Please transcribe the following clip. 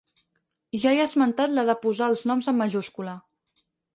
Ja he esmentat la de posar els noms en majúscula.